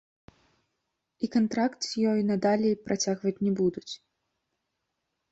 І кантракт з ёй надалей працягваць не будуць.